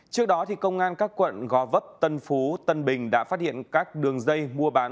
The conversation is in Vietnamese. trước đó công an các quận gò vấp tân phú tân bình đã phát hiện các đường dây mua bán